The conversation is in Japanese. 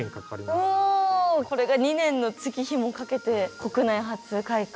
これが２年の月日もかけて国内初開花。